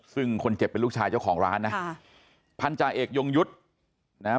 ซึ่งคนเจ็บเป็นลูกชายเจ้าของร้านนะค่ะพันธาเอกยงยุทธ์นะฮะ